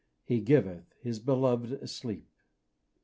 'He giveth His beloved sleep.'"